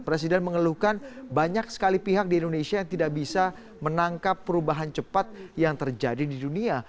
presiden mengeluhkan banyak sekali pihak di indonesia yang tidak bisa menangkap perubahan cepat yang terjadi di dunia